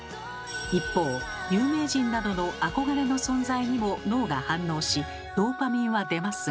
一方有名人などの憧れの存在にも脳が反応しドーパミンは出ますが。